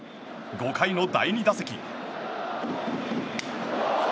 ５回の第２打席。